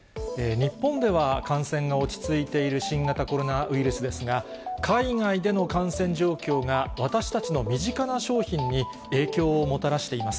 日本では感染が落ち着いている新型コロナウイルスですが、海外での感染状況が、私たちの身近な商品に影響をもたらしています。